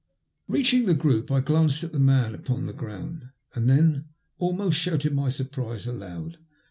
Beaching the group I glanced at the man npon the ground, and then almost shouted my surprise aloud.